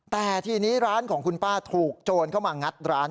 แต่ทีนี้ร้านของคุณป้าถูกโจรเข้ามางัดร้าน